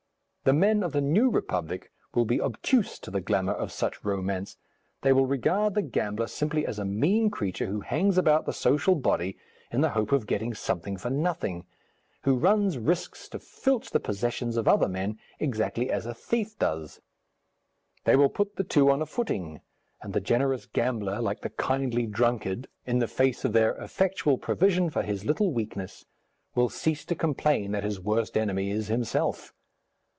The men of the New Republic will be obtuse to the glamour of such romance; they will regard the gambler simply as a mean creature who hangs about the social body in the hope of getting something for nothing, who runs risks to filch the possessions of other men, exactly as a thief does. They will put the two on a footing, and the generous gambler, like the kindly drunkard, in the face of their effectual provision for his little weakness, will cease to complain that his worst enemy is himself.